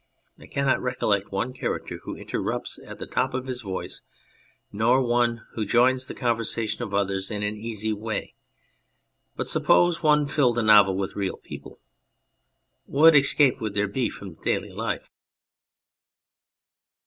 I cannot recollect one character who inter rupts at the top of his voice, nor one who joins the conversation of others in an easy way. ... But suppose one filled a novel with real people, what escape would there be from daily life